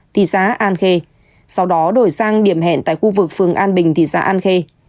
thị xã an khê sau đó đổi sang điểm hẹn tại khu vực phường an bình thị xã an khê